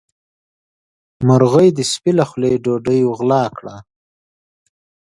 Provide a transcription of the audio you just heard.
مرغۍ د سپي له خولې ډوډۍ وغلا کړه.